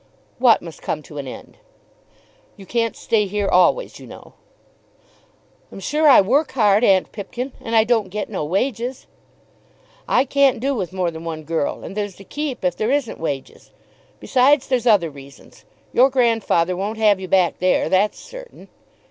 "What must come to an end?" "You can't stay here always, you know." "I'm sure I work hard, Aunt Pipkin, and I don't get no wages." "I can't do with more than one girl, and there's the keep if there isn't wages. Besides, there's other reasons. Your grandfather won't have you back there; that's certain."